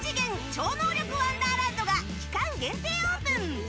超能力ワンダーランドが期間限定オープン。